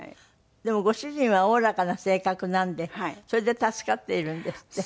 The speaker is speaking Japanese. でもご主人はおおらかな性格なんでそれで助かっているんですって？